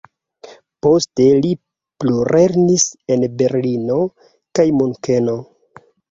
Poste li plulernis en Berlino kaj Munkeno.